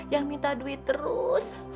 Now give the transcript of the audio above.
yang minta duit terus